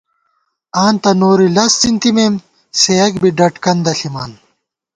آں تہ نوری لز څِنتِمېمم، سېیَک بی ڈَڈ کندہ ݪِمان